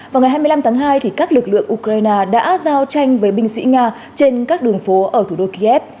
vào ngày hai mươi năm tháng hai các lực lượng ukraine đã giao tranh với binh sĩ nga trên các đường phố ở thủ đô kiev